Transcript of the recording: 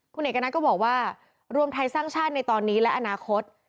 คุณเอกณัฐก็บอกว่ารวมไทยสร้างชาติในตอนนี้และอนาคต